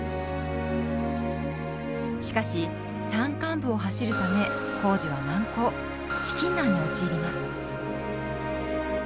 しかし山間部を走るため工事は難航資金難に陥ります。